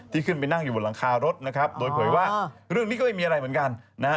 ขึ้นไปนั่งอยู่บนหลังคารถนะครับโดยเผยว่าเรื่องนี้ก็ไม่มีอะไรเหมือนกันนะฮะ